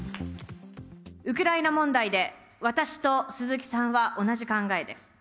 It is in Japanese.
ウクライナ問題で私と鈴木さんは同じ考えです。